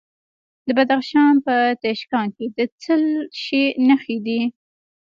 د بدخشان په تیشکان کې د څه شي نښې دي؟